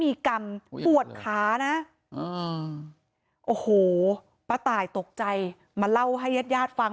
มีกรรมปวดขานะโอ้โหป้าตายตกใจมาเล่าให้ญาติญาติฟัง